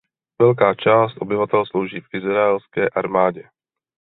Velká část obyvatel slouží v izraelské armádě.